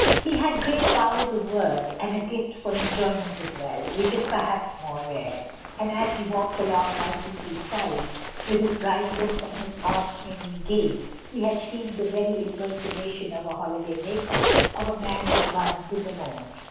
He had great powers of work and a gift for enjoy ment as well, which is perhaps more rare, and as he walked along by Susy's side, with his bright looks and his odd swinging gait, he had seemed the very impersonation of a holiday maker, of a man at one with the moment.